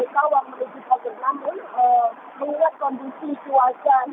dan memang untuk aktivitas sendiri di kastil tawang